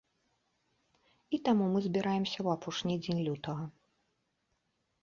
І таму мы збіраемся ў апошні дзень лютага.